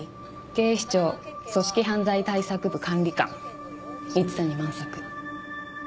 警視庁組織犯罪対策部管理官蜜谷満作。